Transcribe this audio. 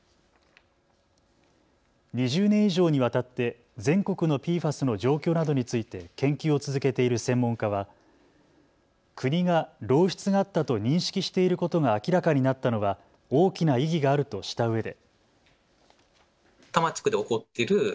２０年以上にわたって全国のＰＦＡＳの状況などについて研究を続けている専門家は国が漏出があったと認識していることが明らかになったのは大きな意義があるとしたうえで。